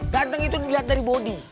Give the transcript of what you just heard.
ganteng itu diliat dari body